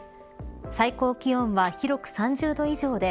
最高気温は広く３０度以上で